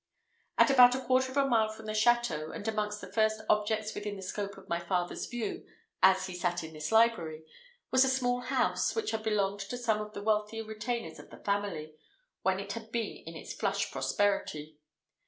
At about a quarter of a mile from the château, and amongst the first objects within the scope of my father's view as he sat in this library, was a small house, which had belonged to some of the wealthier retainers of the family, when it had been in its flush prosperity.